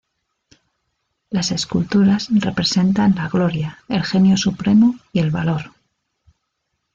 Las esculturas representan la Gloria, el Genio Supremo y el Valor.